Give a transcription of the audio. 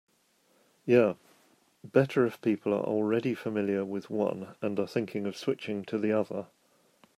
Yeah, better if people are already familiar with one and are thinking of switching to the other.